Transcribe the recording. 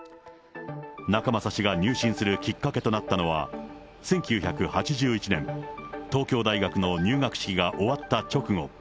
仲正氏が入信するきっかけとなったのは、１９８１年、東京大学の入学式が終わった直後。